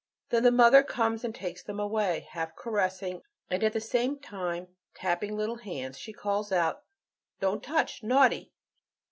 Then the mother comes and takes them away; half caressing, and at the same time tapping the little hands, she calls out, "Don't touch! naughty!"